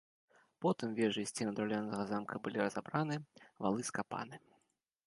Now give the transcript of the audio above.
Потым вежы і сцены драўлянага замка былі разабраны, валы скапаны.